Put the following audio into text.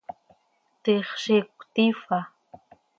¿Tiix ziic cötiifa?